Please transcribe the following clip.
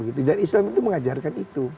islam itu mengajarkan itu